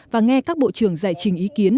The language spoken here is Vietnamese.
và nghe các bộ trường giải trình ý kiến